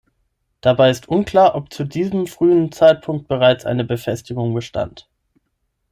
Dabei ist unklar, ob zu diesem frühen Zeitpunkt bereits eine Befestigung bestand.